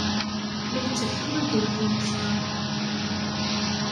La yetteddu ad d-iwet unẓar.